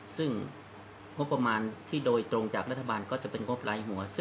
ซึ่งงบประมาณที่โดยตรงจากรัฐบาลก็จะเป็นงบรายหัว